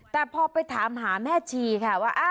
แต่พอไปถามหาแม่ชีค่ะว่า